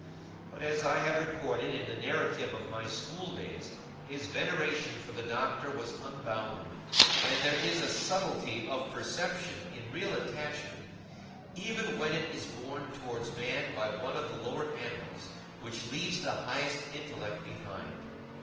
But, as I have recorded in the narrative of my school days, his veneration for the Doctor was unbounded; and there is a subtlety of perception in real attachment, even when it is borne towards man by one of the lower animals, which leaves the highest intellect behind.